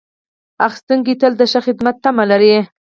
پیرودونکی تل د ښه خدمت تمه لري.